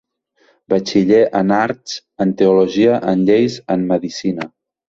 Batxiller en arts, en teologia, en lleis, en medicina.